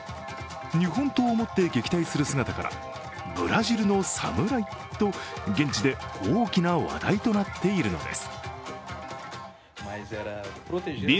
日本刀を持って、撃退する姿からブラジルのサムライと現地で大きな話題となっているのです。